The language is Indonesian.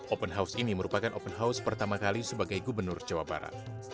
open house ini merupakan open house pertama kali sebagai gubernur jawa barat